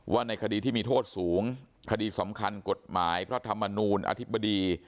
ในคดีที่มีโทษสูงคดีสำคัญกฎหมายพระธรรมนูลอธิบดี